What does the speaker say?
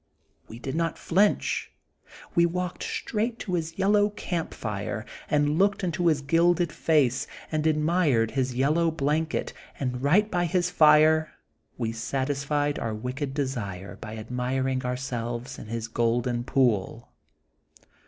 We did not flinch. We walked straight to his yellow campfire, and looked into his gilded face and admired his yellow blanket, and right by his fire we satisfied our wicked desire by admiring ourselves in his golden pool.